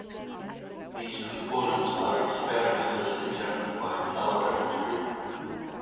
These components are experimentally determined by calorimetry.